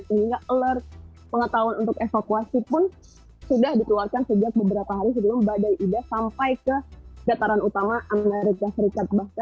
sehingga alert pengetahuan untuk evakuasi pun sudah dikeluarkan sejak beberapa hari sebelum badai ida sampai ke dataran utama amerika serikat